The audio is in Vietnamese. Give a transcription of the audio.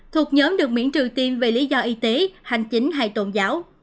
thuộc nhóm được miễn trừ tiêm vì lý do y tế hành chính hay tôn giáo